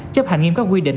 chấp hành nghiêm các quy định